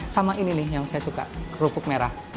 sama ini nih yang saya suka kerupuk merah